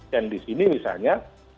dan disini misalnya